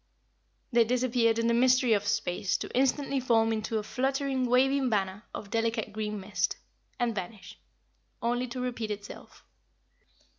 They disappeared in the mystery of space to instantly form into a fluttering, waving banner of delicate green mist and vanish; only to repeat itself.